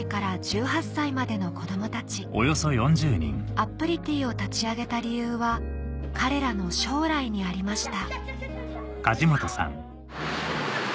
あっぷりてぃを立ち上げた理由は彼らの将来にありました